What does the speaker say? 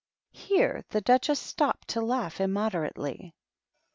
Here the Duchess stopped to laugh immoder ately.